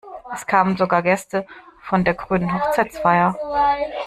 Es kamen sogar Gäste von der grünen Hochzeitsfeier.